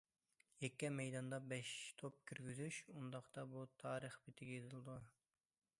يەككە مەيداندا بەش توپ كىرگۈزۈش؟ ئۇنداقتا بۇ تارىخ بېتىگە يېزىلىدۇ.